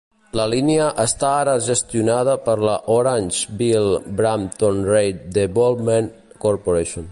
La línia està ara gestionada per la Orangeville Brampton Rail Development Corporation.